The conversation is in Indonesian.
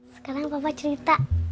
sekarang papa cerita